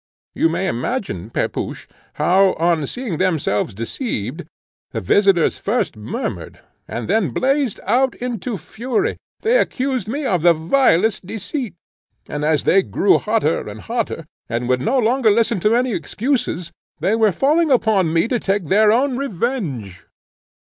You may imagine, Pepusch, how, on seeing themselves deceived, the visitors first murmured, and then blazed out into fury. They accused me of the vilest deceit, and, as they grew hotter and hotter, and would no longer listen to any excuses, they were falling upon me to take their own revenge.